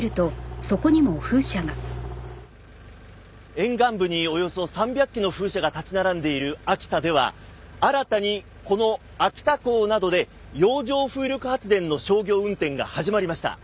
沿岸部におよそ３００基の風車が立ち並んでいる秋田では新たにこの秋田港などで洋上風力発電の商業運転が始まりました。